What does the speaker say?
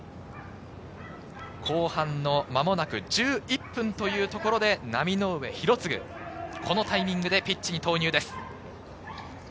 後半の間もなく１１分というところで浪上博嗣、このタイミングでピッチに投入です。